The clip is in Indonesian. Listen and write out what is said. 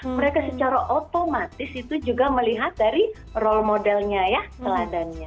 mereka secara otomatis itu juga melihat dari role modelnya ya teladannya